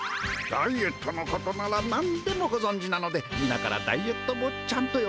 ダイエットのことなら何でもごぞんじなのでみなからダイエット坊ちゃんとよばれています。